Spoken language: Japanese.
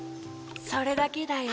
・それだけだよ。